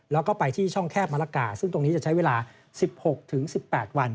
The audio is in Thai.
แล้วก็ไปที่ช่องแคบมะละกาซึ่งตรงนี้จะใช้เวลา๑๖๑๘วัน